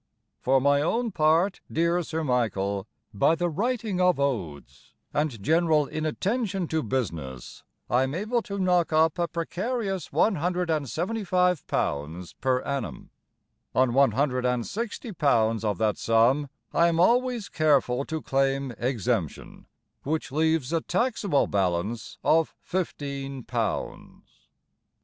For my own part, dear Sir Michael, By the writing of Odes, And general inattention to business, I am able to knock up a precarious one hundred and seventy five pounds per annum; On one hundred and sixty pounds of that sum I am always careful to claim exemption, Which leaves a taxable balance of fifteen pounds.